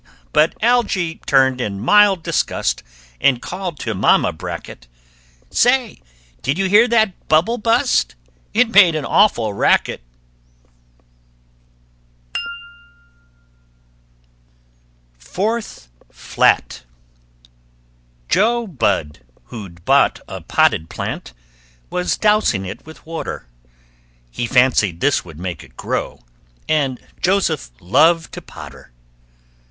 But Algy turned in mild disgust, And called to Mama Bracket, "Say, did you hear that bubble bu'st? It made an awful racket!" [Illustration: THIRD FLAT] FOURTH FLAT Jo Budd, who'd bought a potted plant, Was dousing it with water. He fancied this would make it grow, And Joseph loved to potter.